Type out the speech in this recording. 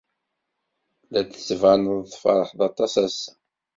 La d-tettbaneḍ tfeṛḥeḍ aṭas ass-a.